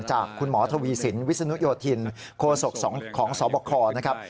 จากคุณหมอทวีสินวิศนุโยธินโคศกของสบคนะครับ